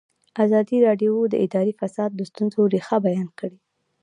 ازادي راډیو د اداري فساد د ستونزو رېښه بیان کړې.